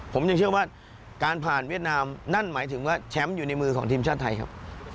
ผมยังเชื่อว่าการผ่านเวียดนามนั่นหมายถึงว่าแชมป์อยู่ในมือของทีมชาติไทยครับ